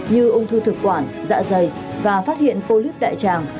như ung thư thực quản dạ dày và phát hiện polyp đại tràng